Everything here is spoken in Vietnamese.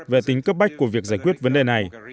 về tính cấp bách của việc giải quyết vấn đề này